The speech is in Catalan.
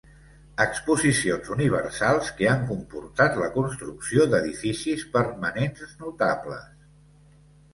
Exposicions Universals que han comportat la construcció d'edificis permanents notables.